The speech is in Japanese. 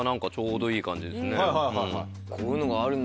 こういうのがあるんだ。